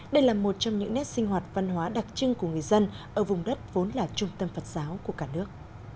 đây là một trong những nét sinh hoạt văn hóa đặc trưng của người dân ở vùng đất vốn là trung tâm phật giáo của cả nước